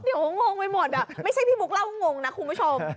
เดี๋ยวงงไปหมดไม่ใช่พี่บุ๊คเล่างงนะคุณผู้ชม